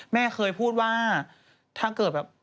แม่เคยพูดว่าถ้าเกิดแบบ